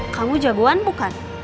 kamu jagoan bukan